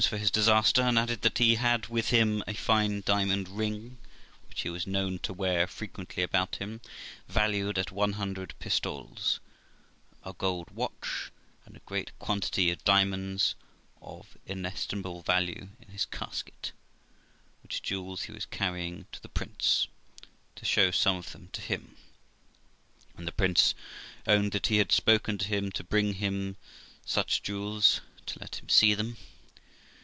for his disaster, and added that he had with him a fine diamond ring, which he was known to wear frequently about him, valued at one hundred pistoles, a gold watch, and a great quantity of diamonds of inestimable yalue in his casket, which jewels he was carrying to the Prince of ~, '5 226 THE LIFE OF ROXANA to show some of them to him ; and the prince owned that he had spoken to him to bring some such jewels, to let him see them.